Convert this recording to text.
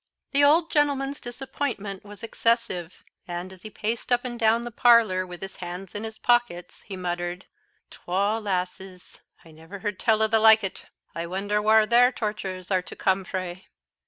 The old gentleman's disappointment was excessive; and, as he paced up and down the parlour, with his hands in his pockets, he muttered, "Twa lasses! I ne'er heard tell o' the like o't. I wonder whar their tochers are to come frae?"